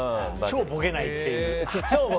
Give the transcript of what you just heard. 超ボケないっていう。